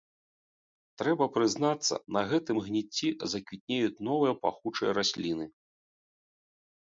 Трэба прызнацца, на гэтым гніцці заквітнеюць новыя пахучыя расліны.